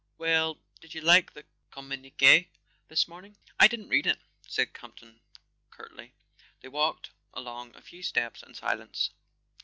Well—did you like the communique this morning?" "I didn't read it," said Campton curtly. They walked along a few steps in silence.